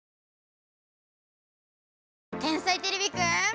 「天才てれびくん」。